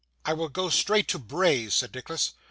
'I will go straight to Bray's,' said Nicholas.